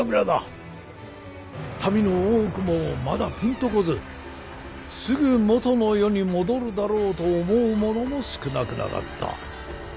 民の多くもまだピンと来ずすぐもとの世に戻るだろうと思う者も少なくなかった。